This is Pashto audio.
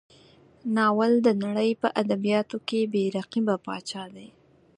ناول د نړۍ په ادبیاتو کې بې رقیبه پاچا دی.